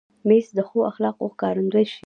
مېز د ښو اخلاقو ښکارندوی شي.